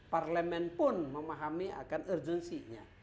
parlemen pun memahami akan urgensinya